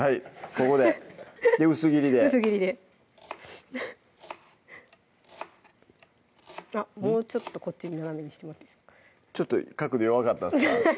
ここで薄切りで薄切りであっもうちょっとこっちに斜めにしてもらっていいですかちょっと角度弱かったっすか？